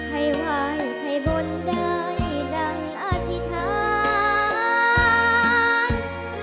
ใครไหวใครบนใดดังอธิษฐาน